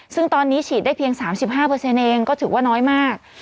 ซึ่งตอนนี้ฉีดได้เพียงสามสิบห้าเปอร์เซ็นต์เองก็ถือว่าน้อยมาก